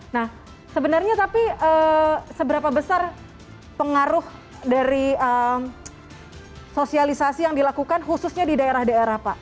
nah sebenarnya tapi seberapa besar pengaruh dari sosialisasi yang dilakukan khususnya di daerah daerah pak